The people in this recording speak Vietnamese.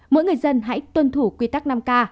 mỗi người dân hãy tuân thủ quy tắc năm k